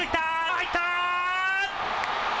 入った！